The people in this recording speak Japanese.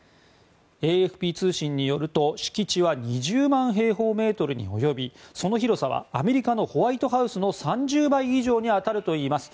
ＡＦＰ通信によると敷地は２０万平方メートルに及びその広さはアメリカのホワイトハウスの３０倍以上に当たるといいます。